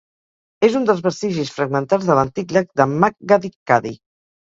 És un dels vestigis fragmentats de l'antic llac de Makgadikgadi.